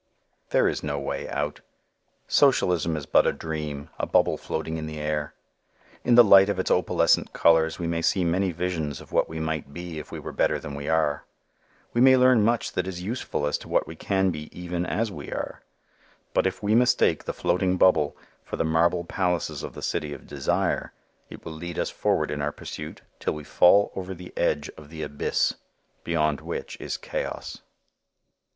There is no way out. Socialism is but a dream, a bubble floating in the air. In the light of its opalescent colors we may see many visions of what we might be if we were better than we are, we may learn much that is useful as to what we can be even as we are; but if we mistake the floating bubble for the marble palaces of the city of desire, it will lead us forward in our pursuit till we fall over the edge of the abyss beyond which is chaos.